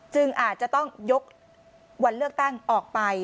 อาจจะต้องยกวันเลือกตั้งออกไป